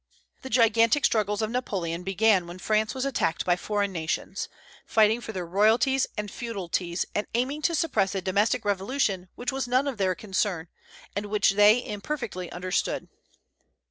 The gigantic struggles of Napoleon began when France was attacked by foreign nations, fighting for their royalties and feudalities, and aiming to suppress a domestic revolution which was none of their concern, and which they imperfectly understood.